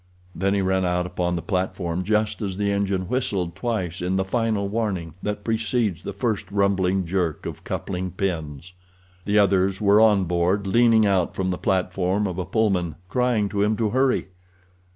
Then he ran out upon the platform just as the engine whistled twice in the final warning that precedes the first rumbling jerk of coupling pins. The others were on board, leaning out from the platform of a Pullman, crying to him to hurry.